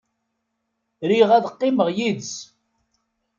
Riɣ ad qqimeɣ yid-s.